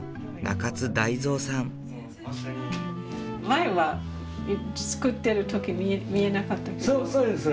前は作ってる時見えなかったけど。